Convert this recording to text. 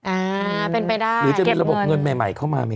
อ่าเป็นไปได้หรือจะมีระบบเงินใหม่ใหม่เข้ามามี